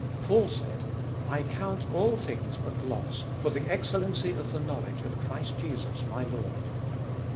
Paul said :" I count all things but loss for the excellency of the knowledge of Christ Jesus my Lord."